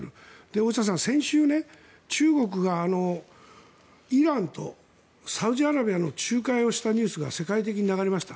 大下さん、先週、中国がイランとサウジアラビアの仲介をしたニュースが世界的に流れました。